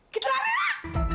kita lari lah